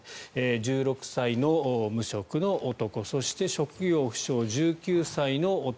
１６歳の無職の男そして、職業不詳１９歳の男